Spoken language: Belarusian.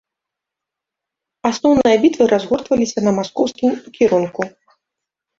Асноўныя бітвы разгортваліся на маскоўскім кірунку.